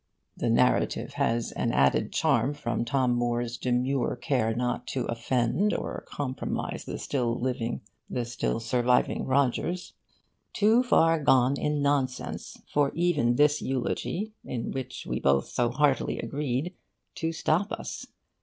We were, however' the narrative has an added charm from Tom Moore's demure care not to offend or compromise the still surviving Rogers 'too far gone in nonsense for even this eulogy, in which we both so heartily agreed, to stop us.